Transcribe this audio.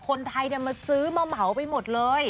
คนไทยมาซื้อมาเหมาไปหมดเลย